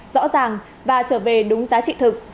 rõ ràng và trở về đúng giá trị thực